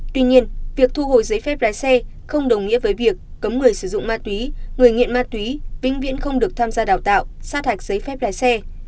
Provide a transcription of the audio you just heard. tuy nhiên việc thu hồi giấy phép lái xe không đồng nghĩa với việc cấm người sử dụng ma túy người nghiện ma túy vĩnh viễn không được tham gia đào tạo sát hạch giấy phép lái xe